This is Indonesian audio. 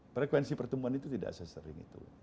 frekuensi pertemuan itu tidak sesering itu